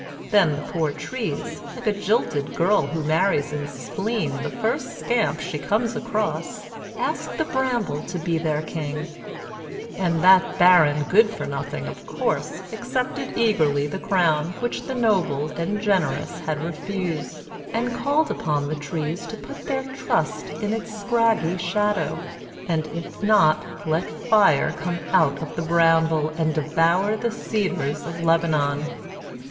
Then the poor trees, like a jilted girl who marries in spleen the first scamp she comes across, asked the bramble to be their king; and that barren good for nothing of course accepted eagerly the crown which the noble and generous had refused, and called upon the trees to put their trust in its scraggy shadow, "and if not, let fire come out of the bramble, and devour the cedars of Lebanon."